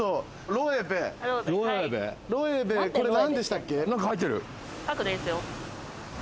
ロエベ、これ何でしたっけ？